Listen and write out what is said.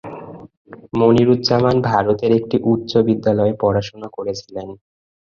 মনিরুজ্জামান ভারতের একটি উচ্চ বিদ্যালয়ে পড়াশোনা করেছিলেন।